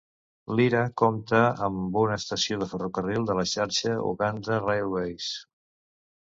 Lira compta amb una estació de ferrocarril de la xarxa Uganda Railways.